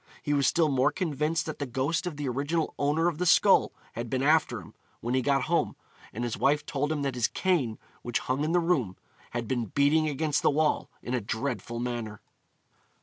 He was still more convinced that the ghost of the original owner of the skull had been after him, when he got home, and his wife told him that his cane, which hung in the room, had been beating against the wall in a dreadful manner.